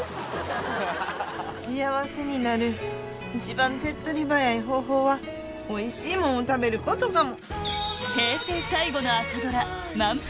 幸せになる一番手っ取り早い方法はおいしいもんを食べることかも。